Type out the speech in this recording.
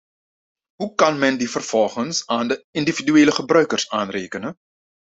Hoe kan men die vervolgens aan de individuele gebruikers aanrekenen?